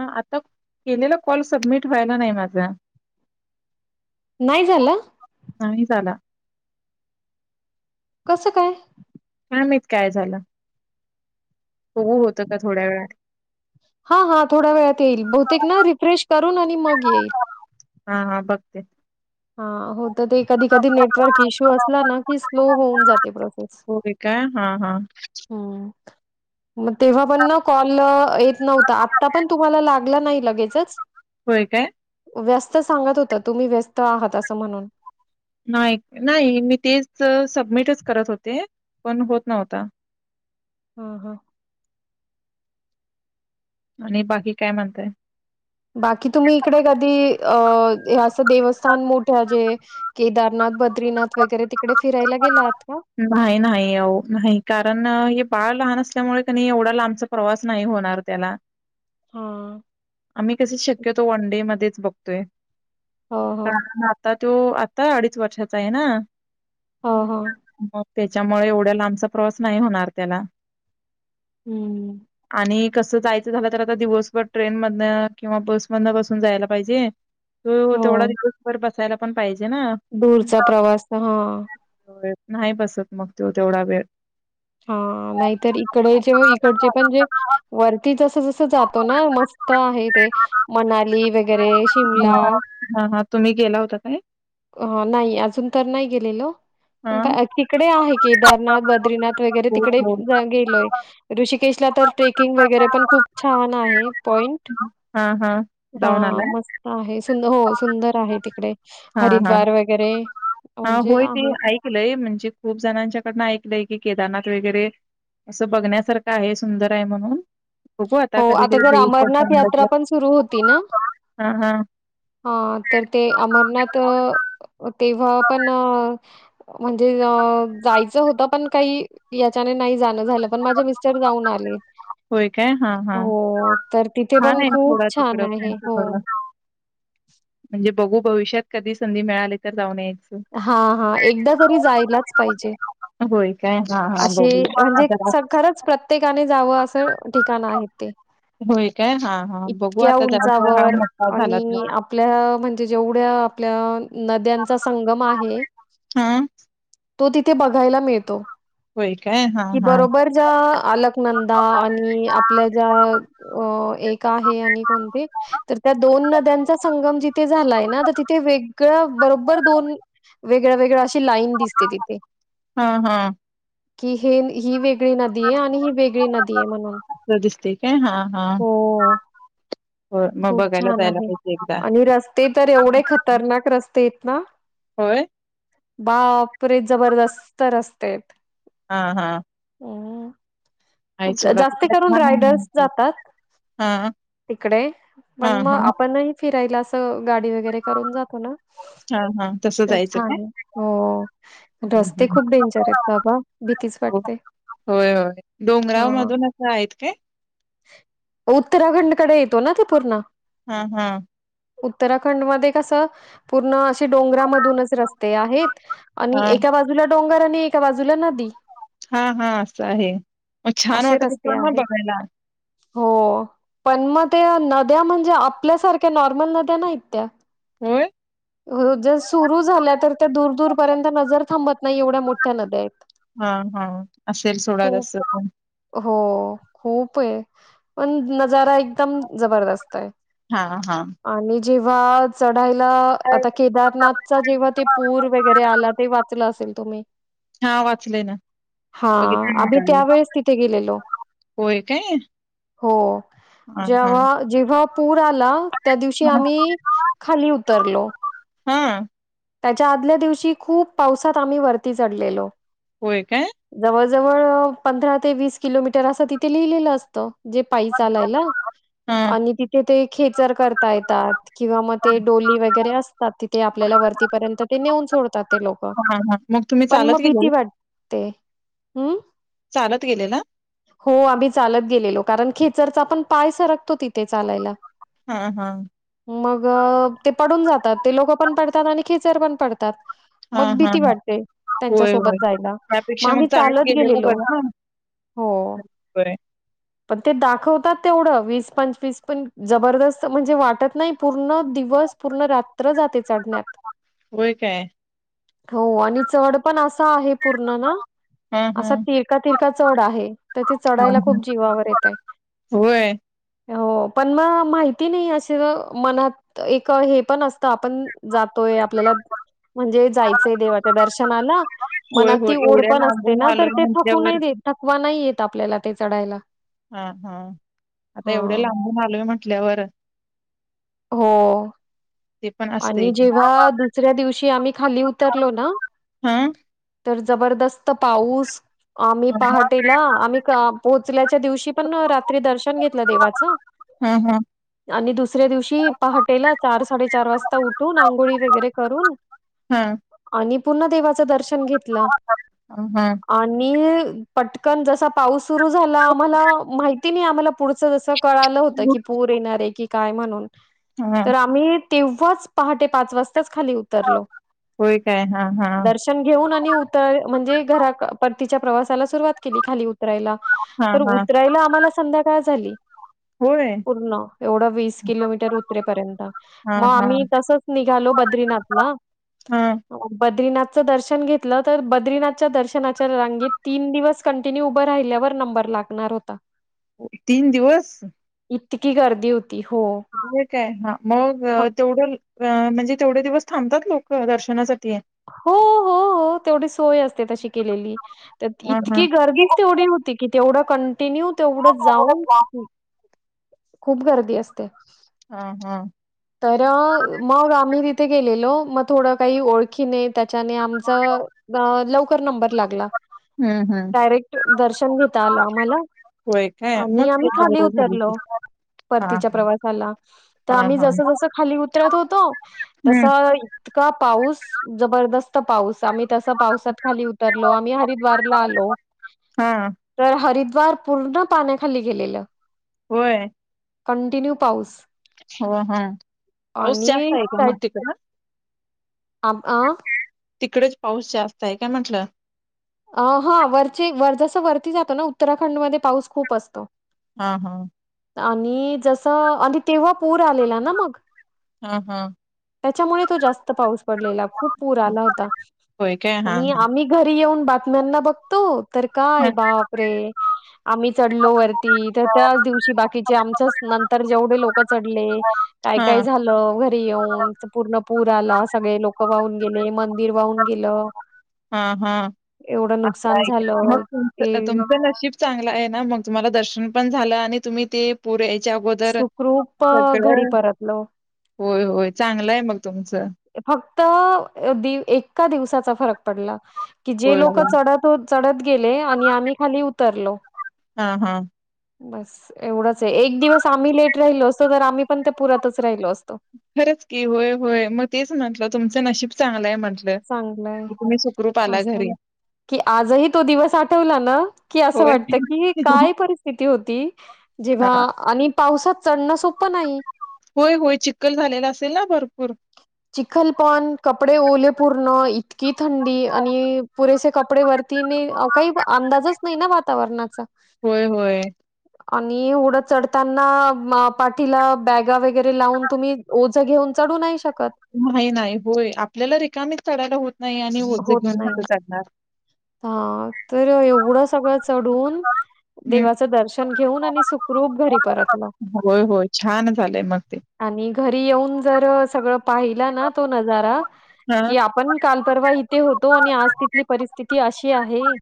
हं,, आता केलेला कॉल सबमिट व्हायला नाही माझा? नाही झाला? नाही झाला. कसं काय? काय माईत,, काय झालं. हो, होतं का थोड्या वेळाऽऽ हा, हा, थोड्या वेळात येईल,, बहुतेक ना रिफ्रेश करून आणि मग येईल. हा हा, बघते. हा, होऽ तर ते कधी, कधी नेटवर्क इश्यू असला ना की स्लो होऊन जाते प्रोसेस. होय काय हा, हा, म तेव्हा पण ना कॉलऽऽ येत नव्हता,, आत्ता पण तुम्हाला लागला नाही लगेचच. होय काय. व्यस्त सांगत होतं,,, तुम्ही व्यस्त आहात असं म्हणून. नाही नाही मी तेच सबमिटच करत होते पण होत नव्हता. हा हा आणि बाकी काय म्हणताय? बाकी तुम्ही इकडे कधी अ हे असं देवस्थान मोठे जे केदारनाथ, बद्रीनाथ वगैरे तिकडे फिरायला गेलात? नाही, नाही अओ नाही कारण हेऽऽ बाळ लहान असल्यामुळे कनी एवढा लांबचा प्रवास नाही होणार त्याला. हां. आम्ही कसे शक्यतो वनडे मध्येच बघतोय. हो, हो. कारण आता तो,, आता अडीच वर्षाचा आहे ना. ह हा. मग त्याच्यामुळे एवढा लांबचा प्रवास नाही होणार त्याला. हं. आणिऽऽऽ कसं जायचं झालं तर आता दिवसभर ट्रेन मधन,, किंवा बसमधन बसून जायला पाहिजे. होय ओ, तेवढा हो. दिशभर बसायला पण पाहिजे. ना. दूरचा प्रवास हां. नाही बसत मग तो तेवढा वेळ. हा, नाहीतर इकडे जेव्हा इकडचे पण जे वरतीचंऽळऽ जातो ना मस्तऽऽ आहे ते मनाली वगैरे शिमला. ह, तुम्ही गेला होता काय? अ, नाही अजून तर नाही गेलेलो. हां. तिकडे आहे केदारनाथ, बद्रीनाथ, वगैरे हो, तिकडे हो. गेलोय ऋषिकेशऽऽ तर ट्रेकिंग वगैरे पण खूप छान आहे पॉईंट. हं. हां, हां. हा जाऊन आलाय? मस्त आहे सुंद हो सुंदर आहे, तिकडे हां, हां. हरिद्वार वगैरे हां, म्हणजे. होय ते आहे ऐकलय म्हणजे खूप जणांच्याकडन ऐकलंय कि केदारनाथ वगैरे असं बघण्यासारखं आहे सुंदर आहे म्हणून. बघू हो कधीतरी आता तर भविष्यात अमरनाथ जमलं तर. यात्रा पण सुरु होती ना. हां, हां. हा तर ते अमरनाथ तेव्हा पण म्हणजे जायचं होतं पण काही याच्याने नाही जाणं झालं पण माझे मिस्टर जाऊन आले. होय काय? हा हा हो, तर तिथे हा पण नाही खूप थोडा छान तुिकडं आहे. हो. पण म्हणजे बघू भविष्यात कधी संधी मिळाली तर जाऊन येईन. हा हा एकदा तरी जायलाच पाहिजे. होय काय? हां, हां अेसे बघू म्हणजे जरा स खरंच प्रत्येकाने जावं असं. ठिकाण आहेत ते. होय काय हा हा. इतक्या उंचावर मोठा झाला तर. आणि आपल्या म्हणजे जेवढ्या आपल्या नद्या चा संगम आहे हां, तो तिथे बघायला मिळतो. होय काय? हां, कि हां. बरोबर ज्या आलकनंदा आणि आपल्या ज्या अ एक आहे. ते आणि कोणते, त्या दोन नदया चा संगम जिथे झालाय ना तिथे वेगळ बरो बर दोन वेगळ्या वेगळ्या अशी लाईन दिसते तिथे हां, हां. कि हे ही वेग वेगळी नदीये आणि ही वेगळी नदीये म्हणून. असं दिसते हा हा. हो, होय मग खूप बघायला छान जायला आहे. पाहिजे एकदा. आणि रस्ते तर एवढे खतरनाक रस्ते आहेत ना, होय. बापरे जबरदस्त रस्तेयेत. हा हा. आहे खूप, सोडा जास्त तिकड करून छान आहे रायडर्स जातात, हा तिकडे हा पण मग हा आपणही फिरायला अस गाडी वगैरे करून जातो ना, हा हा तसं तर जायचं काय छाने हो हम्म रस्ते हम्म खूप डेंजरेत बाबा. भीतीच होय वाटते. होय डोंगरा मधूनच आहेत काय? उत्तराखंड कडे येतो ना ते पूर्ण. ह, ह. उत्तराखंड मध्ये कस पूर्ण अशी डोंगरामधूनच रस्ते आहेत, हा आणि एका बाजूला डोंगर आणि एका बाजूला नदी. हा हा असं आहे मग छान असे वाटत तीथ रस्ते म आहेत. बघायला. हो पण मग त्या नद्या म्हणजे आपल्यासारख्या नॉर्मल नद्या नाहीत त्या. होय. जर सुरू झाल्या तर त्या दूर दूरपर्यंत नजर थांबत नाही एवढ्या मोठ्या नद्यायेत. हा हा असेल सोडाअस पण हो खूपे पण नजारा एकदम जबरदस्तये. हा हा. जेव्हा च ढायला आता केदारनाथचा जेव्हा ते पूर वगैरे आला ते वाचलं असेल तुम्ही. हा वाचले ना. हा बघितलं आम्ही मोबाईलवर. त्यावेेळेस तिथे गेलेलो. होय काय हो हा हा जेव्हा, जेव्हा. पूर आला त्या दिवशी आम्ही खाली उतरलो. हा. त्याच्या आदल्या दिवशी खूप पावसात आम्ही वरती चढलेलो. होय काय जवळ पंधरा ते वीस किलोमीटर असं तिथे लिहिलेलं असत जे पायी चालायला हा आणि तिथे ते खेचर करता येतात किंवा मग ते डोली वगैरे असतात तिथे आपल्याला वरती पर्यंत ते नेऊन सोडतात ते लोक हा हा मग तुम्ही पण चालत मग भीती गेलेला वाटते हम् चालत गेलेला हो आम्ही चालत गेलेलो कारण ख जर आपण पाय सरकतो तिथे चालायला हा हा मग ते पडून जातात ते लोक पण पडतात आणि खिचर पण पडतात हा मग हा भीती वाटते होय होय त्यांच्यासोबत जायला मग आम्ही चालत गेलेलो हो. बर पण ते दाखवतात तेवढ वीस पंचवीस पण जबरदस्त म्हणजे वाटत नाही पूर्ण दिवस पूर्ण रात्र जाते चढण्यात होय काय हो आणि चढ पण असा आहे पूर्ण ना हा असा तिरका तिरका हा चढ आहे तर ते हा चढायला हा. खूप जीवावर येत आहे होय हो पण मग माहिती नाही असे मनात एक हे पण असतं आपण जात आपल्याला म्हणजे जायचंय देवाच्या दर्शनाला होय मनात ती होय एवढ्या ओढपण असते लांबून ना तर आलोय ते म्हटल्यावर थकूनही देत थकवा नाही येत आपल्याला ते चढायला हा हा आता हा एवढे लांब मालवे म्हटल्यावर हो ते पण आणि असतंय की. जेव्हा दुसऱ्या दिवशी आम्ही खाली उतरलो ना हा तर जबरदस्त पाऊस आम्ही हा पहाटेला आम्ही पोहोचल्याच्या दिवशी पण रात्री दर्शन घेतलं देवाचं हा हा आणि दुसऱ्या दिवशी पहाटेला चार साडेचार वाजता आता उठुन आंघोळी वगैरे करून हा आणि पुन्हा देवाच दर्शन घेतलं हा आणि पटकन जसा पाऊस सुरू झाला आम्हाला माहिती नाही आम्हाला पुढच जस कळालं होत की पूर येणार हाय की काय म्हणून हा आम्ही तेव्हा पहाटे पाच वाजता खाली उतरल होय काय हा हा दर्शन घेऊन आणि उत म्हणजे परतीच्या प्रवासाला ला सुरवात केली खाली उतरायला हा तर हा उतरायला आम्हाला संध्यकाळ झाली झाली होय पूर्ण एवढ वीस किलोमीटर उतरे पर्यंत हा मग हा आम्ही तसच निघालो बद्रीनाथला हा बद्रीनाथचं दर्शन घेतलं तर बद्रीनाथच्या दर्शनाच्या रांगीत तीन दिवस कंटिन्यू उभं राहिल्यावर नंबर लागणार होता तीन दिवस इतकी करदीत काय हा मग तेवढं म्हणजे तेवढे दिवस थांबतात लोक दर्शनासाठी हो हो हो तेवढी सोय असते तशी केलेली तर हा हा इतकी गर्दीच तेवढी हो कि तेवढं कंटिन्यू तेवढं जाऊन खूप गर्दी असते हा हा तर मग आम्ही तिथे गेलेलो मग थोडं काही ओळखीने त्याच्याने आमचा लवकर नंबर लागला हम्म हम्म डायरेक्ट दर्शन घेता आला आम्हाला होय काय मग आणि ते आम्ही खाली बरं झालं की उतरलो हा हा परतीच्या प्रवासाला तर हा आम्ही हा जस जस खाली उतरत होत तस हम्म इतका पाऊस जबरदस्त पाऊस आम्ही तस पावसात खाली उतरलो आम्ही हरिद्वारला आलो हा तर हर हरिद्वार पूर्ण पाण्याखाली गेलेलं. होय कंटिन्यू पाऊस हो ह पाऊस जास्त आणि आहे का त्या मग तिकड आ अ तिकडेच पाऊस जास्त आहे काय म्हटलं. अ हा वरचे वर जस वरती जातो ना उत्तराखंड मध्ये पाऊस खूप असतो. हा हा आणि जस आणि तेव्हा पूर आलेला ना मग हा हा त्याच्यामुळे तो जास्त पाऊस पडलेला खूप पूर आला होता होय काय हा आणि हा. आम्ही घरी येऊन बातम्यांना बघतो. तर काय बाप रे आम्ही चढलो वरती तर त्याच दिवशी बाकीचे आमचच नंतर जेवढे लोक चढले काय काय हा. झालं घरी येऊन पूर्ण पूर आला सगळे लोक वाहून गेले मंदिर वाहून गेलं. हा हा एवढं नुकसान मग झालं ते त तुमचं नशीब चांगलं आहे ना मग तुम्हाला दर्शन पण झालं आणि तुम्ही ते पुर याच्या अगोदर सुखरूप अ, घरी सगळं परतलो. होय होय चांगलं आहे मग तुमचं फक्त एका दिवसाचा फरक पडला. कि जे होय लोक होय. चढत चढत गेले आणि आम्ही खाली उतरलो. हा हा बस एवढंच आहे एक दिवस आम्ही लेट राहिलो असतो तर आम्ही पण ते पुरातच राहिलो असतो. खरंच की होय होय मग तेच म्हंटलं तुमचं नशीब चांगलंय म्हटलं. चांगलंय की तुम्ही सुखरूप आला घरी. असं की आजही तो दिवस आठवला ना की असं होय वाटत की काय परिस्थिती होती जेव्हा हा आणि पावसात चढणं सोपं नाही. होय होय चिखल झालेला असेल ना भरपूर चिखलपण कपडे ओले पूर्ण इतकी थंडी आणि पुरेसे कप कपडे वरतीने काही अंदाजच नाही ना वातावरणाचा होय होय आणि एवढं चढताना पाठीला बॅगा वगैरे लावून तुम्ही ओझ घेऊन चढू नाही शकत. नाही नाही होय आपल्याला रिकामीच चढायला होत नाही आणि ओझं घेऊन कस चढणार. हा तर एवढं सगळं चढून हम्म देवाचं दर्शन घेऊन आणि सुखरूप घरी परतलो. होय होय छान झालंय मग ते आणि घरी येऊन जर सगळ पाहिला ना तो नजारा हा की आपण का काल तेव्हा इथे होतो आणि आज तिथली परिस्थिती अशी आहे.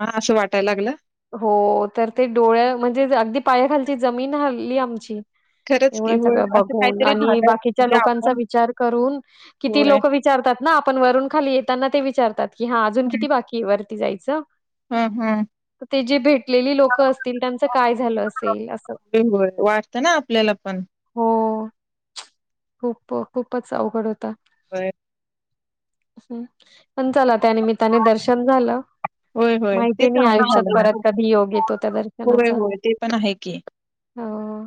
हा असं वाटायला लागलं हो तर ते डोळ्या म्हणजे अगदी पायाखालची जमीन हाल्ली आमची खरं एवढं सगळं बघून आणि बाकीच्या लोकांचा आपण विचार करून किती होय लोक विचारतात ना आपण वरून त्याना ते विचारतात की हा अजून किती बाकी आहे वरती जायचं हम हम् तर ते जी भेटलेली लोक असतील त्यांचं काय झालं असेल असं होय होय वाटतं ना आपल्याला पण हो. खूप खूपच अवघड होता. काय हम् पण चला त्या निमित्ताने दर्शन झालं. होय होय. ते माहिती नाही चांगलं आयुष्यात झालं ना परत कधी योग येतो त्या होय दर्शनाचा होय ते पण आहे हो.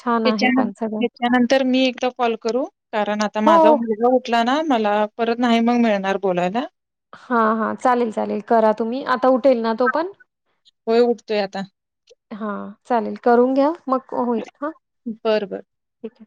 छान आहे पण सगळं. च्यानंतर मी एकदा कॉल करू कारण आता माझा हो. मुलगा उठला ना मला परत नाही मग मिळणार बोलायला हा हा चालेल चालेल करा तुम्ही आता उठेल ना तो पण होय उठतोय आता हा चालेल करून घ्या मग होईल हा बरं बर ठीक आहे